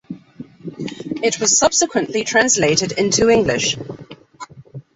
It was subsequently translated into English.